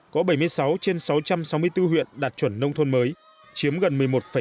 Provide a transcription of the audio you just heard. có bảy mươi sáu trên sáu trăm sáu mươi bốn huyện đạt chuẩn nông thôn mới chiếm gần một mươi một sáu